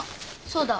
そうだ。